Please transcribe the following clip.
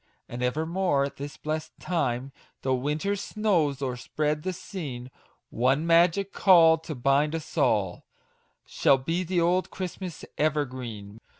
And evermore at this blest time, Tho' winter's snows overspread the scene, One magic call, to bind us all, Shall be old Christmas' evergreen